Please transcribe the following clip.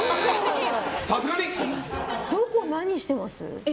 どこを何してます？